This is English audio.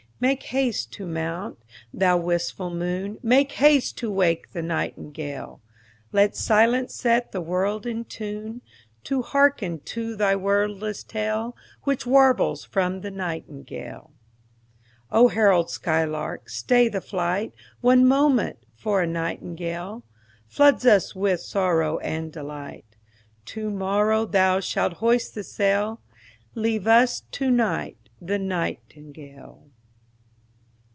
Make haste to mount, thou wistful moon, Make haste to wake the nightingale: Let silence set the world in tune To hearken to that wordless tale Which warbles from the nightingale O herald skylark, stay thy flight One moment, for a nightingale Floods us with sorrow and delight. To morrow thou shalt hoist the sail; Leave us to night the nightingale.